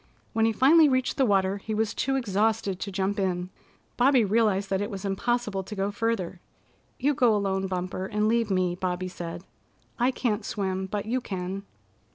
When he finally reached the water he was too exhausted to jump in. Bobby realized that it was impossible to go further. "You go alone, Bumper, and leave me," Bobby said. "I can't swim, but you can."